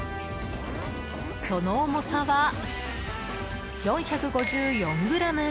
その重さは４５４ｇ。